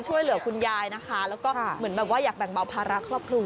ช่วยเหลือคุณยายนะคะแล้วก็เหมือนแบบว่าอยากแบ่งเบาภาระครอบครัว